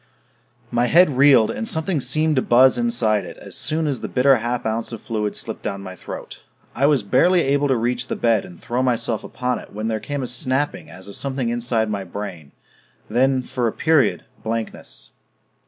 My head reeled, and something seemed to buzz inside it as soon as the bitter half ounce of fluid slipped down my throat. I was barely able to reach the bed and throw myself upon it when there came a snapping as of something inside my brain ... then, for a period, blankness